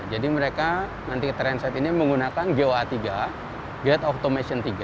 jadi mereka nanti trainset ini menggunakan goa tiga gate automation tiga